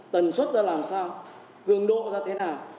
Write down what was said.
tần suất ra làm sao gương độ ra thế nào